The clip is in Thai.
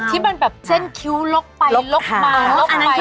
ที่มันแบบสร้างคิ้วล๊อคไป